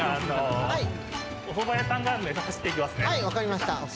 分かりました。